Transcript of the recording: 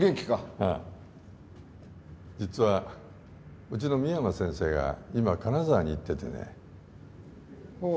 ああ実はうちの深山先生が今金沢に行っててねああ